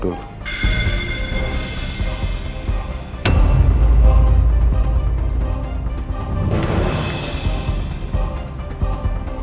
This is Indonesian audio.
tolong anda jawab dulu